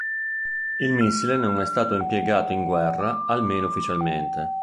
Il missile non è stato impiegato in guerra, almeno ufficialmente.